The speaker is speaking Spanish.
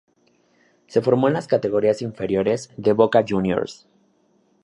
Se formó en las categorías inferiores de Boca Juniors.